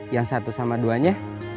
yang satu sama duanya